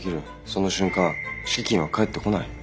その瞬間敷金は返ってこない。